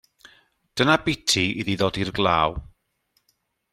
Dyna biti iddi ddod i'r glaw.